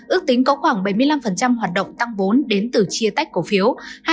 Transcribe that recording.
ước tính có khoảng bảy mươi năm hoạt động tăng vốn đến từ chia tách cổ phiếu